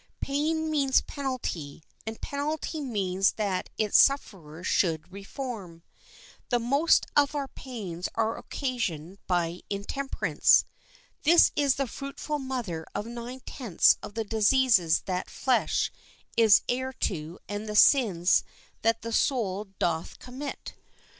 Pain means penalty, and penalty means that its sufferer should reform. The most of our pains are occasioned by intemperance. This is the fruitful mother of nine tenths of the diseases that flesh is heir to and the sins that the soul doth commit.